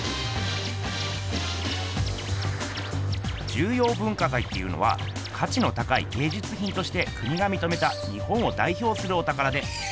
重要文化財っていうのはかちの高いげいじゅつひんとして国がみとめた日本をだいひょうするおたからで。